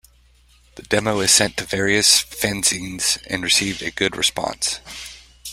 The demo is sent to various fanzines and received a good response.